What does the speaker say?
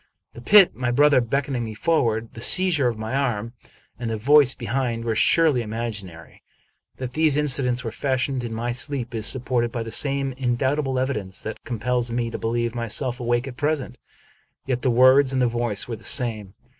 The pit, my brother beckoning me forward, the seizure of my arm, and tiie voice behind, were surely imag inary. That these incidents were fashioned in my sleep is supported by the same indubitable evidence that compels me to believe myself awake at present ; yet the words and the voice were the same.